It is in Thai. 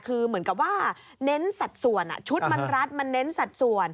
คือเหมือนกับว่าเน้นสัดส่วนชุดมันรัดมันเน้นสัดส่วน